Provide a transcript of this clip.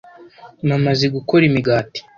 Mama azi gukora imigati.